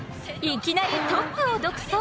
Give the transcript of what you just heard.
いきなりトップを独走。